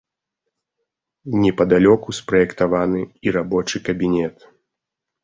Непадалёку спраектаваны і рабочы кабінет.